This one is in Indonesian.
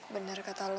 bener kata lo